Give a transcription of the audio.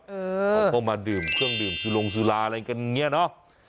เออเขาก็มาดื่มเครื่องดื่มสุรงสุราอะไรกันเนี่ยเนอะ